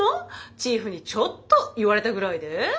チーフにちょっと言われたぐらいで？